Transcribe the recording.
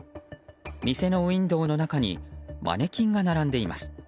店のウィンドーの中にマネキンが並んでいます。